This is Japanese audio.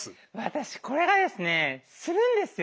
私これがですねするんですよ。